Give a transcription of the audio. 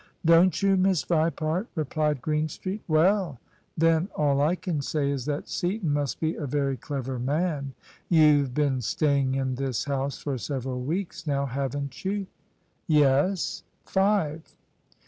" Don't you, Miss Vipart? " replied Greenstreet " Well, then all I can say is that Seaton must be a very clever man. You've been staying in this house for several weeks now» haven't you ?" "Yes; five."